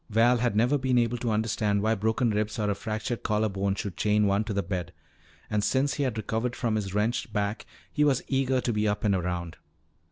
Val had never been able to understand why broken ribs or a fractured collar bone should chain one to the bed. And since he had recovered from his wrenched back he was eager to be up and around.